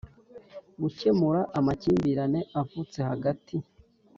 Gukemura amakimbirane avutse hagati